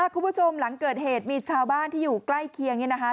คุณผู้ชมหลังเกิดเหตุมีชาวบ้านที่อยู่ใกล้เคียงเนี่ยนะคะ